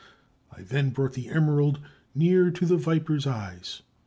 I then brought the emerald near to the viper's eyes.